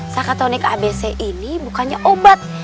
sakatonik abc ini bukannya obat